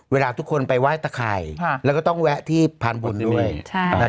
เวลาทุกคนไปไหว้ตะไข่แล้วก็ต้องแวะที่พานบุญด้วย